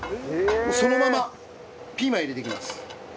そのままピーマン入れていきます。